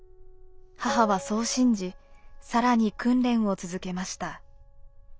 母はそう信じ更に訓練を続けました。